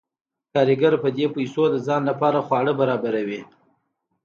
کارګر په دې پیسو د ځان لپاره خواړه برابروي